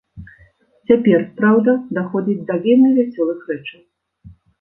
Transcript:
Цяпер, праўда, даходзіць да вельмі вясёлых рэчаў.